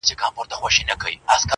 مُلا هم سو پکښي سپور په جګه غاړه٫